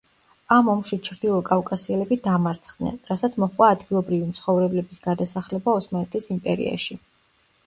ამ ომში ჩრდილო კავკასიელები დამარცხდნენ, რასაც მოჰყვა ადგილობრივი მცხოვრებლების გადასახლება ოსმალეთის იმპერიაში.